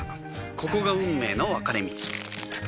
ここが運命の分かれ道